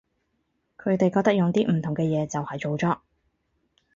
佢哋覺得用啲唔同嘅嘢就係造作